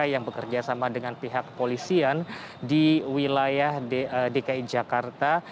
yang bekerja sama dengan pihak kepolisian di wilayah dki jakarta